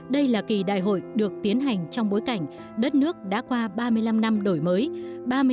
đây là kỳ đại hội được tiến hành trong bối cảnh đất nước đã qua ba mươi năm năm đổi mới